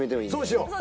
そうしよう！